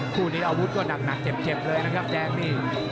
คู่นี้อาวุธก็หนักเจ็บเลยนะครับแดงนี่